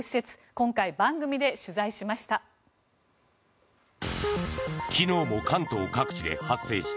今回、番組で取材しました。